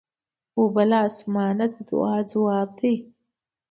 اوبه له اسمانه د دعا ځواب دی.